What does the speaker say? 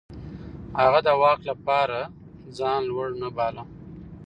هغه د واک لپاره ځان لوړ نه باله.